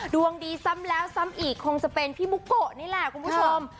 ดวงดีซ้ำแล้วซ้ำอีกคงจะเป็นพี่บุโกะนี่แหละคุณผู้ชม